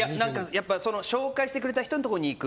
やっぱり紹介してくれた人のところに行く。